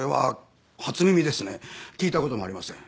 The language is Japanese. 聞いた事がありません。